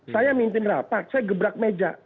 saya mimpin rapat saya gebrak meja